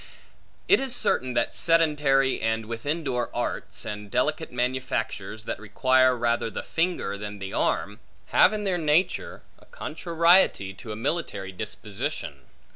It is certain that sedentary, and within door arts, and delicate manufactures (that require rather the finger than the arm), have, in their nature, a contrariety to a military disposition.